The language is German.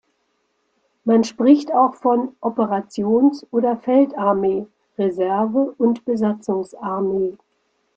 Man spricht auch von Operations- oder Feldarmee, Reserve- und Besatzungsarmee.